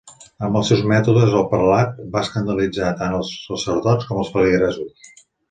Amb els seus mètodes el prelat va escandalitzar tant els sacerdots com als feligresos.